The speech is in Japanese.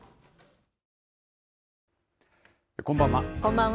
こんばんは。